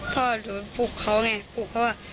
พ่อโดนปลุกเขาไงปลุกเขาว่า